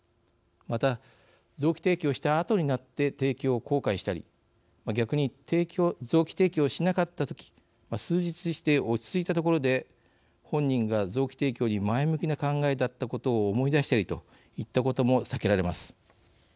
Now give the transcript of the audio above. また、臓器提供したあとになって提供を後悔したり逆に臓器提供しなかった時数日して落ち着いたところで本人が臓器提供に前向きな考えだったことを思い出したりといったことも避けられます。